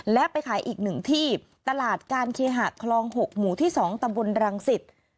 และไปขายอีกหนึ่งที่ตลาดการเคลียร์หักคลอง๖หมู่ที่๒ตะบลรังสิต